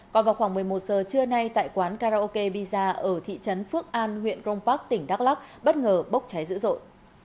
còn vào khoảng một mươi một giờ trưa nay tại quán karaoke pizza ở thị trấn phước an huyện grong park tỉnh đắk lắc bất ngờ bốc cháy dữ dội